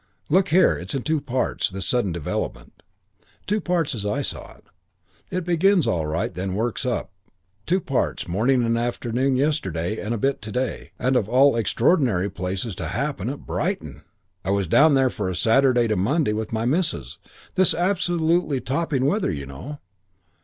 "Look here, it's in two parts, this sudden development. Two parts as I saw it. Begins all right and then works up. Two parts morning and afternoon yesterday and a bit to day. And of all extraordinary places to happen at Brighton. "Yes, Brighton. I was down there for a Saturday to Monday with my Missus. This absolutely topping weather, you know.